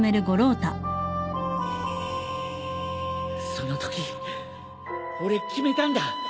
そのとき俺決めたんだ